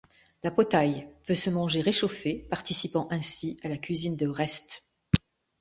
La potaye peut se manger réchauffée, participant ainsi à la cuisine de restes.